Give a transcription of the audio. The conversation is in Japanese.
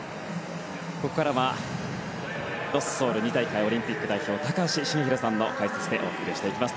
ここからはロス、ソウル２大会オリンピック代表高橋繁浩さんの解説でお送りしていきます。